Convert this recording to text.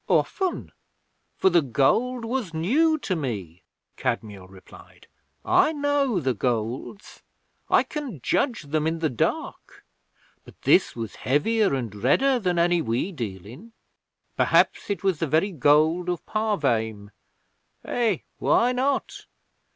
'Often; for the gold was new to me,' Kadmiel replied. 'I know the Golds. I can judge them in the dark; but this was heavier and redder than any we deal in. Perhaps it was the very gold of Parvaim. Eh, why not?